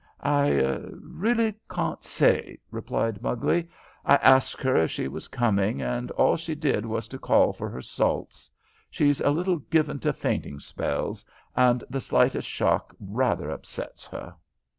"I really can't say," answered Mugley. "I asked her if she was coming, and all she did was to call for her salts. She's a little given to fainting spells, and the slightest shock rather upsets her."